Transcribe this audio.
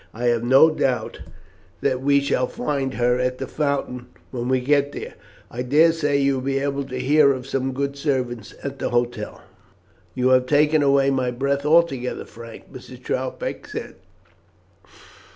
I have no doubt that we shall find her at the Fountain when we get there. I daresay you will be able to hear of some good servants at the Hotel." "You have taken away my breath altogether, Frank," Mrs. Troutbeck said.